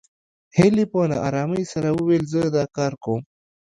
هيلې په نا آرامۍ سره وويل زه دا کار کوم